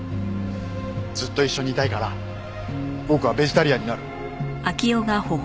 ずっと一緒にいたいから僕はベジタリアンになる。